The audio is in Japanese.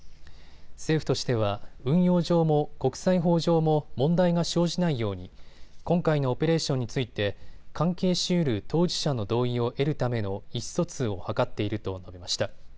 政府としては運用上も国際法上も問題が生じないように今回のオペレーションについて関係しうる当事者の同意を得るための意思疎通を図っていると述べました。